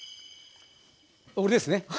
俺ですね。